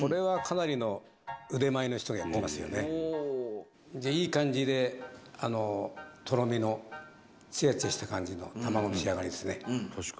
これは。いい感じでとろみのツヤツヤした感じの卵の仕上がりですね。